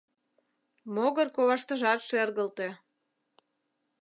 Могыр коваштыжат шергылте.